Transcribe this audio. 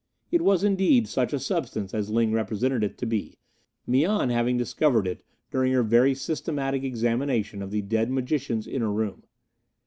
It was indeed such a substance as Ling represented it to be, Mian having discovered it during her very systematic examination of the dead magician's inner room.